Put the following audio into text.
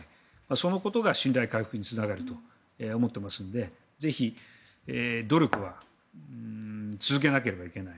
そのことが信頼回復につながると思っていますのでぜひ、努力は続けなければいけない